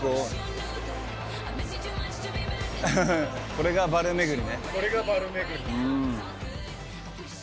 これがバル巡り。